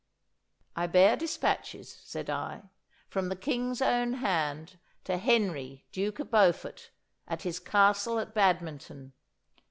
'I bear despatches,' said I, 'from the King's own hand to Henry Duke of Beaufort, at his castle at Badminton.